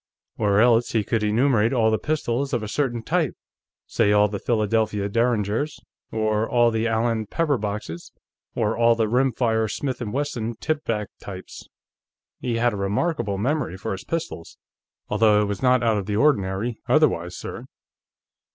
Or else, he could enumerate all the pistols of a certain type; say, all the Philadelphia Deringers, or all the Allen pepperboxes, or all the rim fire Smith & Wesson tip back types. He had a remarkable memory for his pistols, although it was not out of the ordinary otherwise, sir."